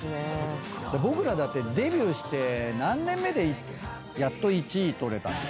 僕らだってデビューして何年目で１位取れたんでしたっけね？